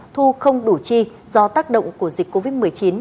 thu không đủ chi do tác động của dịch covid một mươi chín